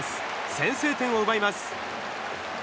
先制点を奪います。